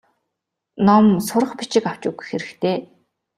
Ном сурах бичиг авч өгөх хэрэгтэй.